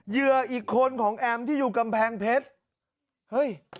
เหยื่ออีกคนของแอมที่อยู่กำแพงเพชรเฮ้ย